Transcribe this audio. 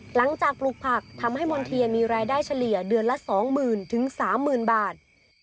หลังจากปลูกผักทำให้มณฑีมีรายได้เฉลี่ยเดือนละ๒หมื่นถึง๓หมื่นบาท